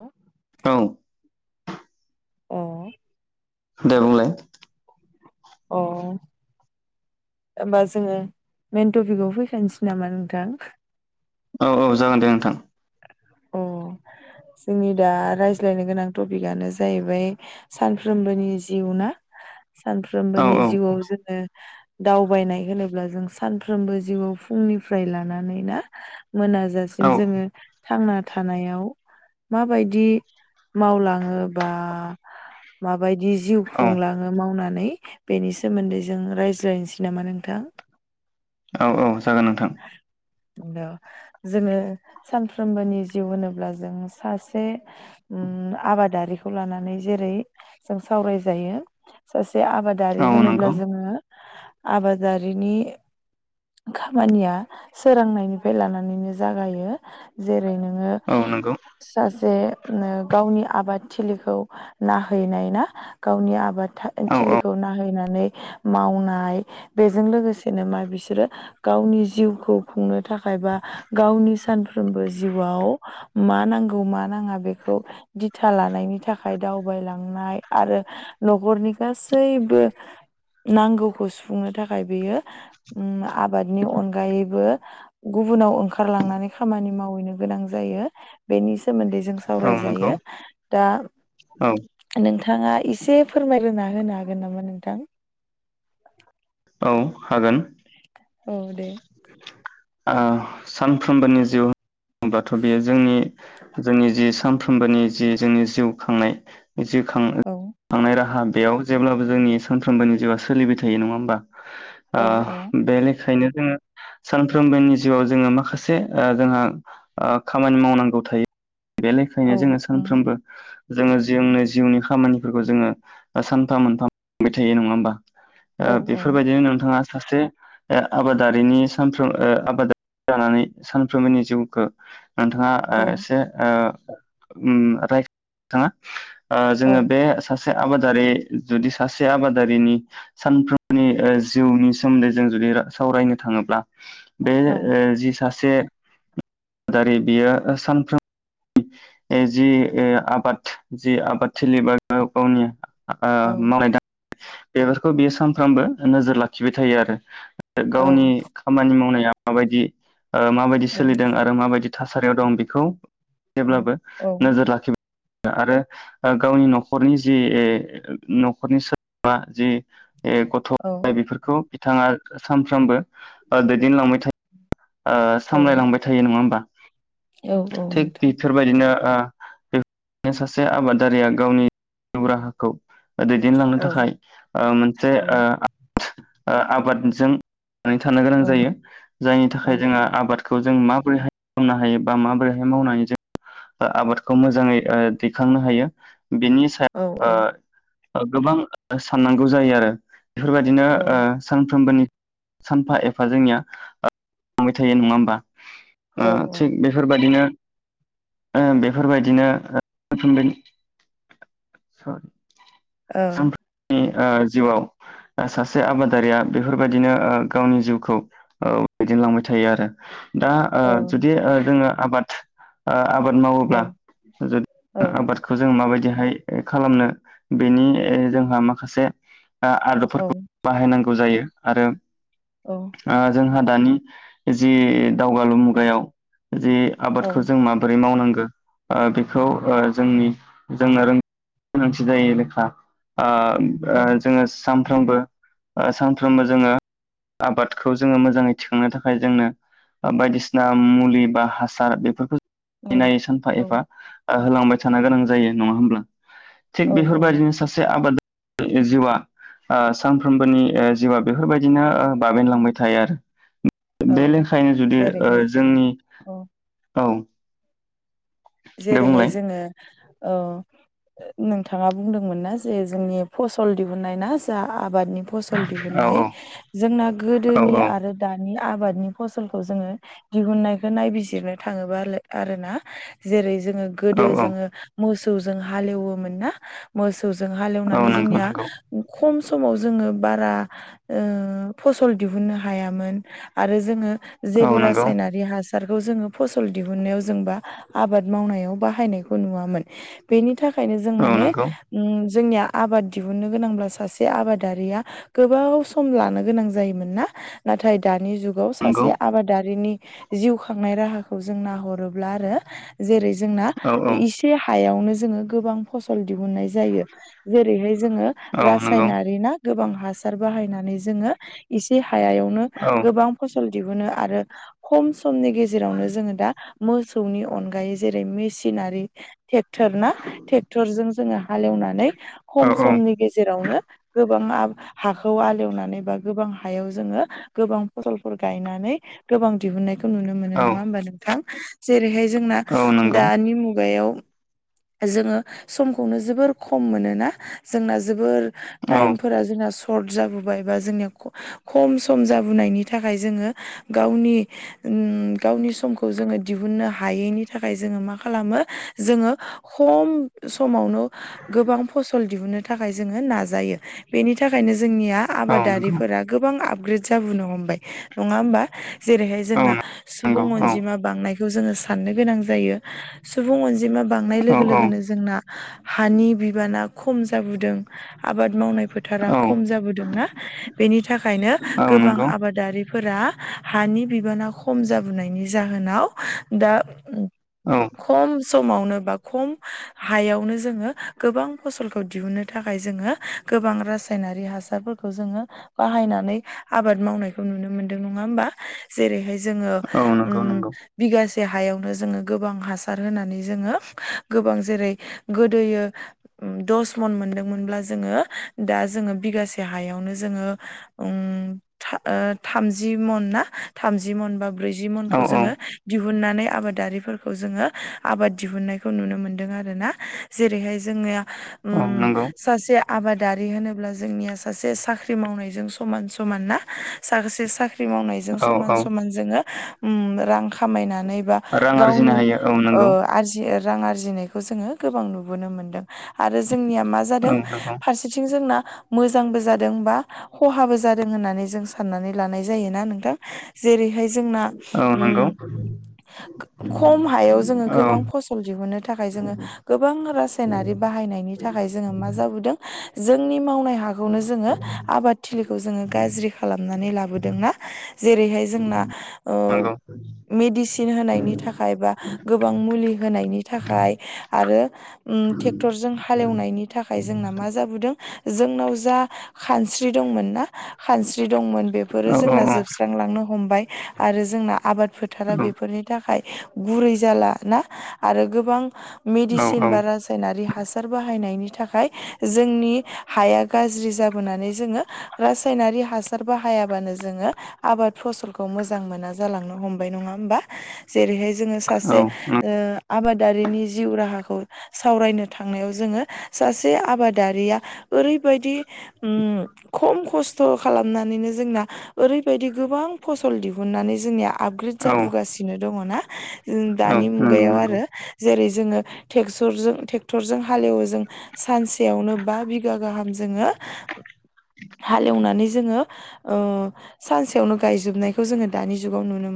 औ औ अ दे बुंलाय अ होमबा जोङो मेन टपिकआव फैखानोसै नामा नोंथां औ औ जागोन दे नोंथां अ जोंनि दा रायज्लायनो गोनां टपिकआनो जाहैबाय सानफ्रोमबोनि जिउ ना औ सानफ्रोमबोनि औ जिउआव जोङो दावबायनाय होनोब्ला जों सानफ्रोमबो जिउआव फुंनिफ्राय लानानै ना औ मोनाजासिम जोङो थांना थानायाव माबायदि मावलाङोबा माबायदि जिउ औ खुंलाङो मावनानै बेनि सोमोन्दै जों रायज्लायनोसै नामा नोंथां औ औ जागोन नोंथां [unintelligible] जोङो सानफ्रोमबोनि जिउ होनोब्ला जों सासे आबादारिखौ लानानै जेरै जों सावरायजायो सासे आबाद दारि औ होनोब्ला नंगौ जोङो आबादारिनि खामानिया सोरांनायनिफ्राय लानानैनो जागायो जेरै नोङो औ नंगौ सासे ओ गावनि आबादथिलिखौ नाहैनाय ना गावनि आबाद औ औ थिलिखौ नाहैनानै मावनाय बेजों लोगोसेनो मा बिसोरो गावनि जिउखौ खुंनो थाखाय बा गावनि सानफ्रोमबो जिउआव मा नांगौ मा नाङा बेखौ दिथा लानायनि थाखाय दावबायलांनाय आरो नखरनि गासैबो नांगौखौ सुफुंनो थाखाय बेयो उम आबादनि अनगायैबो गुबुनाव ओंखारलांनानै खामानि मावहैनो गोनां जायो बेनि सोमोन्दै जों औ सावराय नंगौ जायो दा औ नोंथाङा एसे फोरमायग्रो होनो हागोन नामा नोंथां औ हागोन औ दे ओ सानफ्रोमबोनि जिउ होनबाथ' बेयो जोंनि जोंनि जि सानफ्रोमबोनि जि जोंनि जिउ खांनाय जिउ खां औ खांनाय राहा बेयाव जेब्लाबो जोंनि सानफ्रोमबोनि जिउआ सोलिबाय थायो नङा ओमबा औ औ बेनिखायनो जोङो सानफ्रोमबोनि जिउआव जोङो माखासे ओ जोङो ओ खामानि मावनांगौ थायो औ बेनिखायनो जोङो उम सानफ्रोमबो जोङो जोंनि जिउनि खामानिफोरखौ जोङो सानफा मोनफा मोनबाय थायो नङा ओमबा औ ओ औ बेफोरबायदिनो नोंथाङा सासे ओ आबादारिनि सानफ्रोम आबादारि जानानै सानफ्रोमबोनि जिउखौ नोंथाङा ओ औ एसे ओ उम राय [unintelligible] नोंथाङा ओ जोङो औ बे सासे आबादारि जुदि सासे आबादारिनि सानफ्रोमनि ओ जिउनि सोमोन्दै जों जुदि सावरायनो थाङोब्ला बे औ जि सासे आबादारि बियो सानफ्रोम ए जि ए आबाद जि आबाद थिलि बा गाव गावनि ओ औ मावनाय दांनाय बेफोरखौ बियो सानफ्रोमबो नोजोर लाखिबाय थायो आरो ओ गावनि खामानि मावनाया माबायदि ओ माबायदि औ सोलिदों आरो माबायदि थासारियाव दं बेखौ जेब्लाबो नोजोर लाखि आरो गावनि नखरनि जि नखरनि सो द्रोमा जि गथ' औ गथाइ बेफोरखौ बिथाङा सानफ्रामबो ओ दैदेनलांबाय थायो ओ औ सामलायलांबाय थायो नङा ओमबा औ औ थिग नोंथां बिफोर फोरबायदिनो ओ माने सासे आबादारिया गावनि जिउ राहाखौ दैदेनलांनो औ थाखाय ओ मोनसे ओ औ ओ आबादजों थांनानै गोनां औ जायो जायनि था औ जोंहा आबादखौ जों माबोरैहाय खालामनो हायो बा माबोरैहाय मावनो हायो जों [unintelligible] ओ आबादखौ मोजाङै ओ दैखांनो हायो बेनि सो औ [unintelligible] गोबां साननांगौ जायो आरो बेफोरबायदिनो औ ओ सानफ्रोमबोनि सानफा एफा जोंनिया ओ बांलांबाय थायो नङा ओमबा ओ थिग बे फोरबायदिनो ओ बेफोरबायदिनो ओ थुनलाइनि सानफ्रोमबोनि ओ जिउआव सासे आबादारिया बेफोरबायदिनो गावनि जिउखौ औ दैदेनलांबाय थायो आरो दा ओ औ जुदि ओ जोङो आबाद ओ आबाद मावोब्ला औ जुदि आबादखौ जों माबायदिहाय खालामनो बेनि जोंहा माखासे ओ आदबफोरखौ बाहायनांगौ जायो आरो औ आ जोंहा दानि जि दावगालु मुगायाव जि औ आबादखौ जों मा बोरै मावनांगौ बेखौ ओ जोंनि जोंना गोनांथि जायो ओ औ ओ जोङो सानफ्रोमबो सानफ्रोमबो जोङो आबादखौ जोङो मोजाङै थिखांनो थाखाय जोंनो बायदिसिना मुलि बा हासार बेफोरखौ औ नायै सानफा औ एफा होलांबाय थानो गोनां जायो नङा होमब्ला औ थिग औ बेफोरबायदिनो सासे आबाद [unintelligible] जिउआ ओ सानफ्रोमबोनि ओ जिउआ बेफोरबायदिनो ओ बाबेनलांबाय थायो आरो औ बे लेखायनो जुदि ओ जेरैहाय जोंनि औ औ दे जेरैहाय बुंलाय जोङो औ नोंथाङा बुंदोंमोन ना जे जोंनि फसल दिहुननाय ना जा आबादनि फसल औ दिहुनाय औ जोंना गोदोनि औ आरो दानि आबादनि फसलखौ जोङो दिहुननायखौ नायबिजिरनो थाङोबा आरो ना जेरै जोङो गोदो औ औ जोङो मोसौजों हालेवोमोन ना मोसौजों औ हालेवनानै नंगौ जोंनिया नंगौ खम समाव जोङो बारा ओ फसल दिहुननो हायामोन आरो जोङो औ जेबो नंगौ रासायनारि हासारखौ जोङो फसल दिहुनायाव जोंबा आबाद मावनायाव बाहायनायखौ नुवामोन बेनि थाखायनो जों औ माने नंगौ उम जोंनिया आबाद दिहुननो गोनांब्ला सासे आबादारिया गोबाव सम लानो गोनां जायोमोन ना नाथाय दानि जुग गाव सासे नंगौ आबादारिनि जिउ खांनाय राहाखौ जों नाहरोब्ला आरो जेरै जोंना औ औ इसे हायावनो जोङो गोबां फसल दिहुननाय जायो जेरैहाय जोङो औ नंगौ रासायनारि ना गोबां हासार बाहायनानै जोङो एसे हायावनो औ गोबां फसल दिहुनो आरो खम समनि गेजेरावनो जोङो दा मोसौनि अनगायै जेरै मेसिनारि ट्रेक्टर ना ट्रेक्टर जों जोङो हालेवनानै औ खम औ समनि गेजेरावनो गोबां हाखौ आलेवनानै बा गोबां हायाव जोङो गोबां फसलफोर गायनानै गोबां दिहुननाय खौ नुनो मोनो औ नंङा होमबा नोंथां जेरैहाय जोंना औ नंगौ दानि मुगायाव जोंङो समखौनो जोबोर खम मोनोना जोंना जोबोर औ टाइमफोरा जोंना सर्ट जाबोबाय बा जोंनिया खम सम जाबोनायनि थाखाय जोंङो गावनि गावनि समखौ जोंङो दिहुननो हायो हायैनि थाखाय जोंङो मा खालामो जोंङो ख समावनो गोबां फसल दिहुननो थाखाय जोंङो नाजायो बेनि थाखायनो जोंनिया औ नंगौ आबादारिफोरा गोबां आपग्रेद जाबोनो हमबाय नंङा होमबा जेरैहाय औ जोंना सुबुं नंगौ औ अनजिमा बांनायखौ जोंङो साननो गोनां जायो सुबुं अनजिमा बांनाय औ लोगो लोगोनो जोंना हानि बिबाना खम जाबोदों। आबाद मावनाय फोथारा खम औ जाबोदोंना बेनि थाखायनो औ गोबां नंगौ आबाद दारिफोरा हानि बिबाना खम जाबोनायनि जाहोनाव दा औ खम समावनो बा खम हायावनो जोंङो गोबां फसलखौ दिहुननो थाखाय जोंङो गोबां रासायनारि हासारफोरखौ जोंङो बाहायनानै आबाद मावनायखौ नुनो मोनदों नंङा होमबा जेरैहाय जोंङो औ नंगौ नंगौ बिगासे से हायावनो जोंङो गोबां हासार होनानै जोंङो गोबां जेरै गोदोयो दस मन मोनदोंमोनब्ला जोंङो दा जोंङो बिगासे हायावनो जोंङो थामजि मन ना थामजि मनबा ब्रैजि औ मनखौ औ जोंङो दिहुननानै आबादारिफोरखौ जोंङो आबाद दिहुननायखौ नुनो मोनदों आरो ना जेरैहाय जोंङो औ नंगौ सासे आबादारि होनोब्ला जोंनिया सासे साख्रि मावनायजों समान समान ना साखासे साख्रि खाख्रि मावनायजों औ समान औ समान जोंङो रां खामायनानै बा रां आरजिनो गावनि हायो औ नंगौ आरजि रां आरजिनायखौ जोंङो गोबां नुबोनो मोनदों आरो जोंनिया मा औ जादों नंगौ फारसे बिथिं जोंना मोजांबो जादोंबा। खहाबो जादों होननानै जों साननानै लानाय जायोना नोंथां जेरैहाय जोंना औ नंगौ खम हायाव जोंङो औ गोबां फसल दिहुनो थाखाय जोंङो गोबां रासायनारि बाहायनायनि थाखाय जोंङो मा जाबोदों जोंनि मावनाय हा बेखौनो जोंङो आबाद थिलिखौ जोंङो गाज्रि खालामनानै लाबोदोंना जेरैहाय जोंना [inaudible] मेडिसिन होनायनि थाखाय बा गोबां मुलि होनायनि थाखाय आरो ट्रेक्टरजों हालेवनायनि थाखाय जोंना मा जाबोदों जोंनाव जा खानस्रि दंमोन ना खानस्रि दंमोन बेफोरो औ औ जोंना जोबस्रांलांनो हमबाय आरो जोंना आबाद फो फोथारा बेफोरनि थाखाय गुरै जाला ना आरो गोबां औ मेदिसिन बारा जानाय रायनारि हासार बाहायनायनि थाखाय जोंनि हाया गाज्रि जाबोनानै जोंङो रासायनारि हासार बाहायाबानो जोंङो आबाद फसलखौ मोजां मोना जालांनो हमबाय बाय नंङा होमबा जेरैहाय जोंङो सासे औ आबादारिनि जिउ राहाखौ सावरायनो थांनायाव जोंङो सासे आबादारिया ओरैबायदि उम खम खस्थ' खालामनानैनो जोंना ओरैबायदि गोबां फसल दिहुननानै जोंनिया कंक्रिद औ जाबोगासिनो दंङो ना औ दानि नंगौ मुगायाव नंगौ आरो जेरै जोंङो [unintelligible] ट्रेक्टरजों हालेवो जों सानसेयावनो बा बिगा गाहाम जोङो हालेवनानै जोङो ओ सानसेयावनो गायजोबनायखौ जोङो दानि जुगाव नुनो मोनो मोनो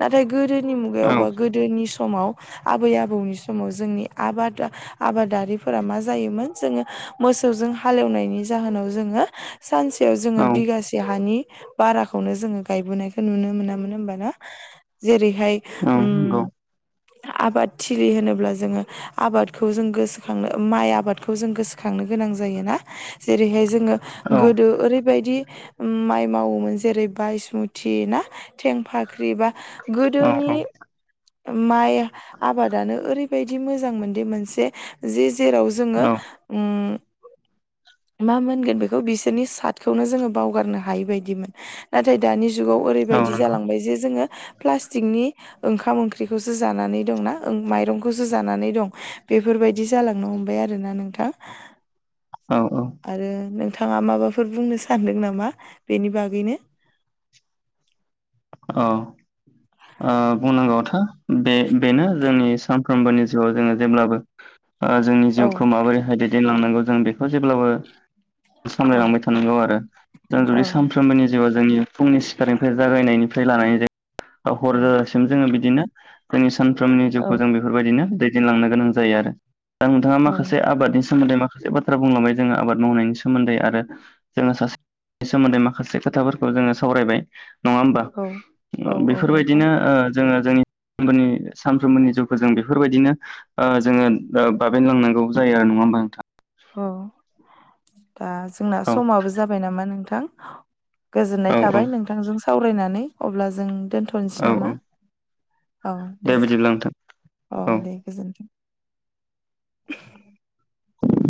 नाथाय गोदोनि मुगायाव औ बा गोदोनि समाव आबै आबौनि समाव जोंनि आबादा आबादारिफोरा मा जायोमोन जोङो मोसौजों हालेवनायनि जाहोनाव जोङो सानसेयाव जोङो औ बिगासे हानि बाराखौनो जोङो गायबोनायखौ नुनो मोनामोन होमबा जेरैहाय औ नंगौ आबादथिलि होनोब्ला जोङो आबादखौ जों गोसोखांनो माइ आबादखौ जों गोसोखांनो गोनां जायोना जेरैहाय जोङो औ गोदो ओरैबायदि माइ मावोमोन जेरै बायसमुथि ना थेंफाख्रि बा औ गोदोनि औ माइ आबादानो ओरै बायदि मोजां मोनदि मोनसे जि जेराव जोङो मा मोनगोन बेखौ बिसोरनि सादखौनो जोङो बावगारनो हायि बायदिमोन नाथाय दानि जुगाव औ ओरैबायदि नंगौ जालांबाय जे जोङो प्लास्टिकनि ओंखाम ओंख्रिखौसो जानानै दंना ओं माइरंखौसो जानानै दं बेफोरबायदि बिदि जालांनो हमबाय आरोना नोंथां औ औ आरो नोंथाङा माबाफोर बुंनो सानदों नामा बेनि बागैनो अ ओ बुंनांगौआथ' बेनो जोंनि सानफ्रोमबोनि जिउआव जोङो जेब्लाबो [inaudible] जोंनि औ जिउखौ माबोरैहाय दैदेनलांनांगौ जों बेखौ जेब्लाबो औ सामलायलांबाय थानांगौ आरो जों औ जुदि सानफ्रोमबोनि जिउआ जोंनि फुंनि सिखारनिफ्राय जागायनायनिफ्राय लानानै जायो औ हरसिम जोङो बिदिनो जोंनि सानफ्रोमनि औ जिउखौ जों बेफोरबायदिनो दैदेनलांनो गोनां जायो आरो दा नोंथाङा माखासे औ आबादनि सोमोन्दै माखासे बाथ्रा बुंलांबाय जोङो आबाद मावनायनि सोमोन्दै आरो जोङो सासेनि सोमोनदै माखासे खोथाफोरखौ जोङो सावरायबाय नङा होमबा औ औ औ नोंथां बेफोरबायदिनो ओ जोङो जोंनि सानफ्रोमबोनि जिउखौ जों बेफोरबायदिनो जोङो बाबेनलांनांगौ जायो आरो नङा होमबा नोंथां औ दा जोंना औ समाबो जाबाय नामा नोंथां गोजोननाय औ औ थाबाय नोंथांजों सावरायनानै अब्ला जों दोनथ' औ दोनथनोसै नामा औ औ दे बिदिब्ला नोंथां औ दे गोजोनथों [unintelligible]